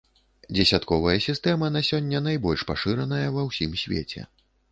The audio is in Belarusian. Дзесятковая сістэма на сёння найбольш пашыраная ва ўсім свеце.